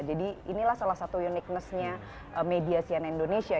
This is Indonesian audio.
jadi inilah salah satu uniqueness nya media cnn indonesia